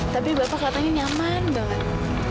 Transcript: tapi bapak kelihatannya nyaman banget